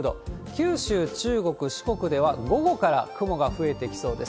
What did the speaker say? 九州、中国、四国では午後から雲が増えてきそうです。